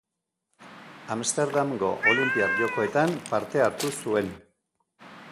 Amsterdamgo Olinpiar Jokoetan parte hartu zuen.